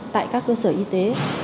tại các cơ sở y tế